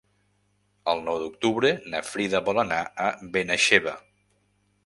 El nou d'octubre na Frida vol anar a Benaixeve.